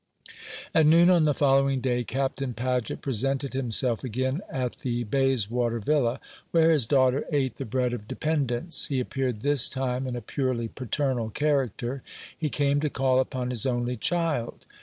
At noon on the following day Captain Paget presented himself again at the Bayswater villa, where his daughter ate the bread of dependence. He appeared this time in a purely paternal character. He came to call upon his only child.